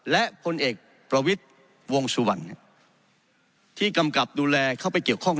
และพลเอกประวิทย์วงสุวรรณที่กำกับดูแลเข้าไปเกี่ยวข้อง